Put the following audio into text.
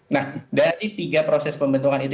nah dari tiga proses pembentukan itu